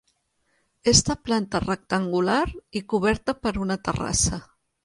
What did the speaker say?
És de planta rectangular i coberta per una terrassa.